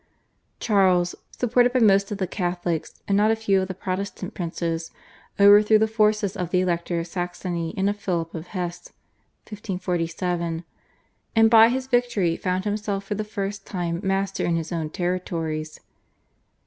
Charles, supported by most of the Catholic and not a few of the Protestant princes, overthrew the forces of the Elector of Saxony and of Philip of Hesse (1547) and by his victory found himself for the first time master in his own territories.